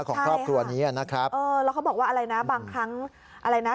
ของครอบครัวนี้นะครับเออแล้วเขาบอกว่าอะไรนะบางครั้งอะไรนะ